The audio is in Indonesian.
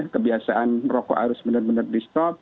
kebiasaan merokok harus benar benar di stop